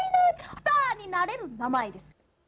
スターになれる名前です。